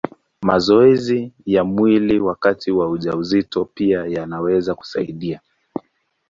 Mazoezi ya mwili wakati wa ujauzito pia yanaweza kusaidia.